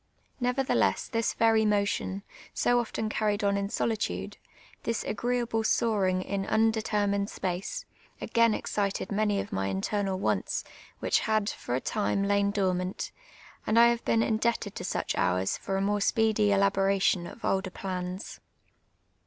Never theless this ver)' motion, so often carried on in solitude — this aji^ieeahle soaring; in undetermined s])ace — a«;ain excited many of my internal wants, which had, for a time, lain dormant ; and i have hecn indchtc <l to such hours for a more si>cedy eliih')ration of older j)l;uis.